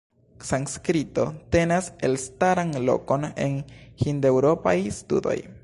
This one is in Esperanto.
Sanskrito tenas elstaran lokon en Hindeŭropaj studoj.